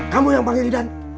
kamu yang panggil idan